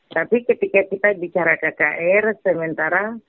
tapi ketika kita bicara kkr sementara